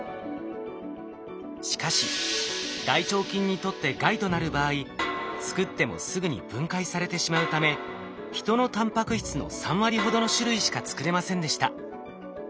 しかし大腸菌にとって害となる場合作ってもすぐに分解されてしまうため人のタンパク質の３割ほどの種類しか作れませんでした。